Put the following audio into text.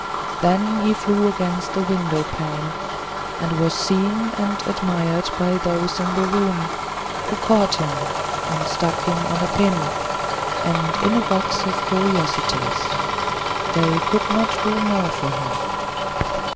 Then he flew against the window pane, and was seen and admired by those in the room, who caught him, and stuck him on a pin, in a box of curiosities. They could not do more for him.